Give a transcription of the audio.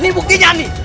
nih buktinya nih